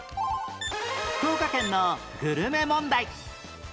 福岡県のグルメ問題